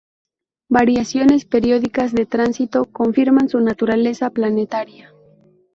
Variaciones periódicas de tránsito confirman su naturaleza planetaria.